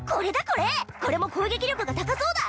これこれも攻撃力が高そうだ